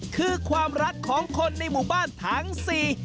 คือความรักของคนในหมู่บ้านทั้งสี่